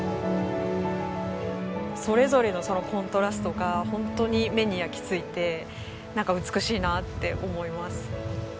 それぞれのそのコントラストが本当に目に焼き付いてなんか美しいなって思います。